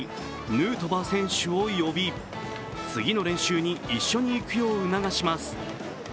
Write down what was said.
ヌートバー選手を呼び次の練習に一緒に行くよう促します。